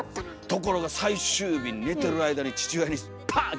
ところが最終日に寝てる間に父親にパーン！